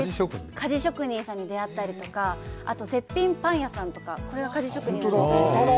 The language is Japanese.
鍛冶職人さんに出会ったりとか、あと、絶品パン屋さんとか、これが鍛冶職人なんですけど。